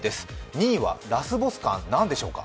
２位はラスボス感、何でしょうか。